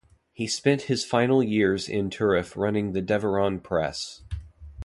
He spent his final years in Turriff running the Deveron Press.